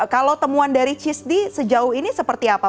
kalau temuan dari cisdi sejauh ini seperti apa